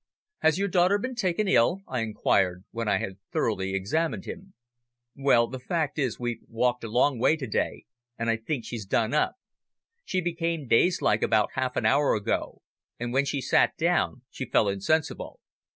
"Has your daughter been taken ill?" I inquired, when I had thoroughly examined him. "Well, the fact is we've walked a long way to day, and I think she's done up. She became dazed like about half an hour ago, and when she sat down she fell insensible."